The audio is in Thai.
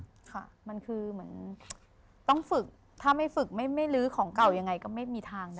ค่ะมันคือเหมือนต้องฝึกถ้าไม่ฝึกไม่ลื้อของเก่ายังไงก็ไม่มีทางนะ